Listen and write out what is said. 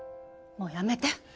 もうやめて！